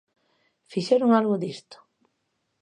¿Fixeron algo disto?